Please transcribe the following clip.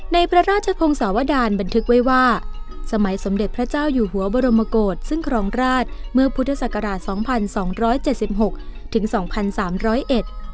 ในพระราชพงศาวดาลบันทึกไว้ว่าสมัยสมเด็จพระเจ้าอยู่หัวบรมกฏซึ่งครองราชเมื่อพุทธศักราช๒๒๗๖๒๓๐๑